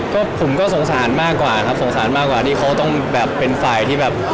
ก็ผมก็สงสารมากกว่าครับสงสารมากกว่าที่เขาต้องแบบเป็นฝ่ายที่แบบ